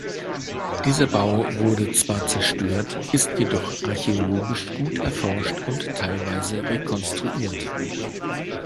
Dieser Bau wurde zwar zerstört, ist jedoch archäologisch gut erforscht und teilweise rekonstruiert.